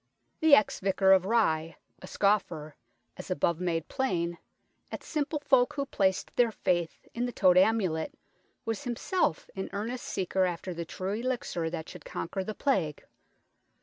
The ex Vicar of Rye, a scoffer, as above made plain, at simple folk who placed their faith in the toad amulet, was himself an earnest seeker after the true elixir that should conquer the Plague.